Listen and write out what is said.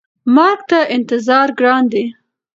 مرګ ته انتظار ګران دی.